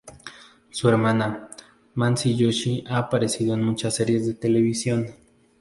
Su hermana, Mansi Joshi ha aparecido en muchas series de televisión.